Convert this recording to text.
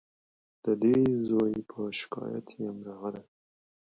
د دې زوی په شکایت یمه راغلې